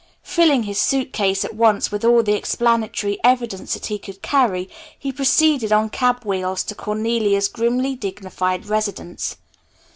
Filling his suitcase at once with all the explanatory evidence that he could carry, he proceeded on cab wheels to Cornelia's grimly dignified residence.